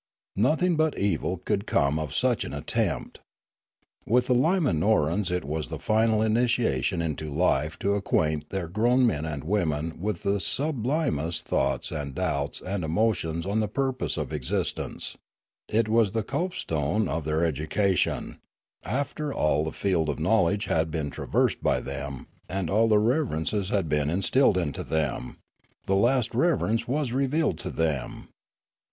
Nothing but evil could come of such an attempt. With the L,imanorans it was the final initiation into life to acquaint their grown men and women with the sublimest thoughts and doubts and emotions on the purpose of existence; it was the copestone of their education; after all the field of knowledge had been traversed by them and all the reverences had been instilled into them, the last rever ence was revealed to them.